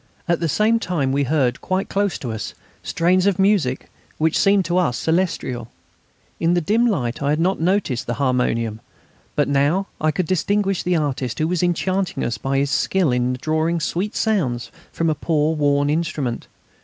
At the same time we heard, quite close to us, strains of music which seemed to us celestial. In the dim light I had not noticed the harmonium, but now I could distinguish the artist who was enchanting us by his skill in drawing sweet sounds from a poor worn instrument.